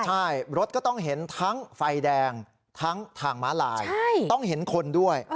ใช่รถก็ต้องเห็นทั้งไฟแดงทั้งทางม้าลายต้องเห็นคนด้วย